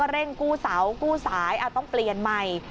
เร่งกู้เสากู้สายต้องเปลี่ยนใหม่